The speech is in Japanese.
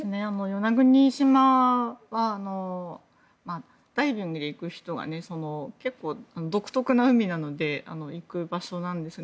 与那国島はダイビングで行く人が結構独特な海なので行く場所なんです。